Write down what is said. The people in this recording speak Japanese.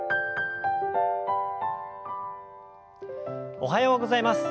おはようございます。